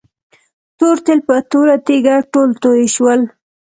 تور تیل په توره تيږه ټول توي شول.